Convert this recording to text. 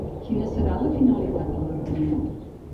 Quina serà la finalitat de la reunió?